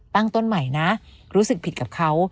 ตั้งต้นใหม่นะรู้สึกผิดกับเขา